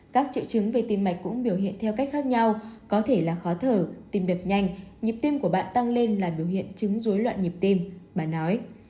các triệu chứng về tim mạch cũng biểu hiện theo cách khác nhau có thể là khó thở tìm biệt nhanh nhịp tim của bạn tăng lên là biểu hiện chứng dối loạn nhịp tim bà nói